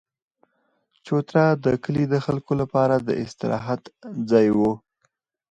چوتره د کلي د خلکو لپاره د استراحت ځای وو.